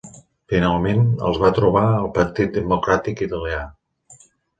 Finalment, els va trobar al Partit Democràtic italià.